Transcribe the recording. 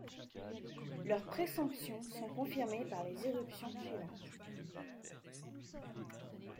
Leurs présomptions sont confirmées par les éruptions suivantes.